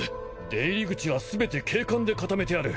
出入り口は全て警官で固めてある。